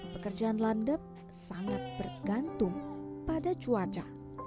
pekerjaan landep sangat bergantung pada cuaca